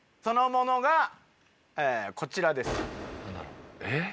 そのモノがこちらです。